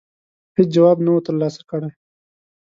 هېڅ جواب نه وو ترلاسه کړی.